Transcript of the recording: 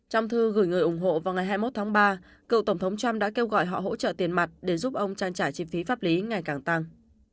trong thư gửi người ủng hộ vào ngày hai mươi một tháng ba cựu tổng thống trump đã kêu gọi họ hỗ trợ tiền mặt để giúp ông trang trải chi phí pháp lý ngày càng tăng